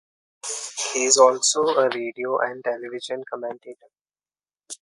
He is also a radio and television commentator.